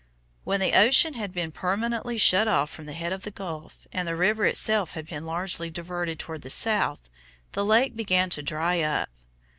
When the ocean had been permanently shut off from the head of the gulf, and the river itself had been largely diverted toward the south, the lake began to dry up.